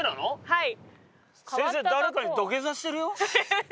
はい。